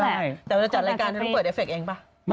ก็นั่นแหละแต่ว่าจะจัดรายการจะต้องเปิดเอฟเฟกต์เองป่ะ